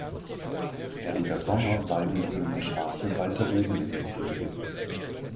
Während der Sommer weiden die Jungen die Schafe weiter oben im Gebirge.